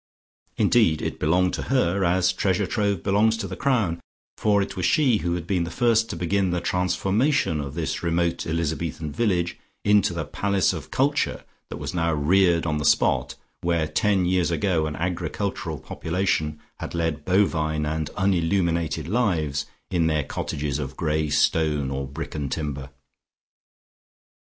Indeed it belonged to her, as treasure trove belongs to the Crown, for it was she who had been the first to begin the transformation of this remote Elizabethan village into the palace of culture that was now reared on the spot where ten years ago an agricultural population had led bovine and unilluminated lives in their cottages of grey stone or brick and timber.